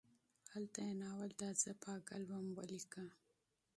هلته یې ناول دا زه پاګل وم ولیکه.